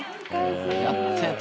やってた。